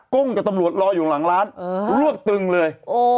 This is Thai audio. ก้มกว่าตมหัวรออยู่หลังร้านหลวกตึงเลย